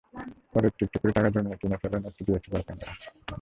পরে একটু একটু করে টাকা জমিয়ে কিনে ফেলেন একটি ডিএসএলআর ক্যামেরা।